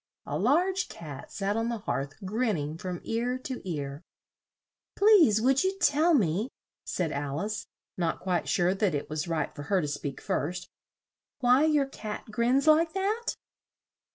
A large cat sat on the hearth grin ning from ear to ear. "Please, would you tell me," said Al ice, not quite sure that it was right for her to speak first, "why your cat grins like that?"